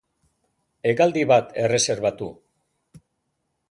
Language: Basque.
Hegaldi bat erreserbatu